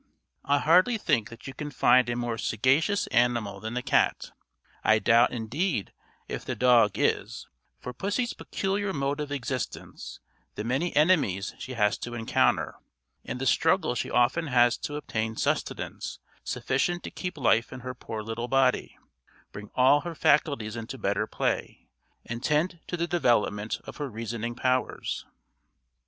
I hardly think that you can find a more sagacious animal than the cat. I doubt, indeed, if the dog is; for pussy's peculiar mode of existence, the many enemies she has to encounter, and the struggle she often has to obtain sustenance sufficient to keep life in her poor little body, bring all her faculties into better play, and tend to the development of her reasoning powers.